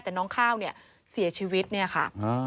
แต่น้องข้าวเนี่ยเสียชีวิตเนี่ยค่ะ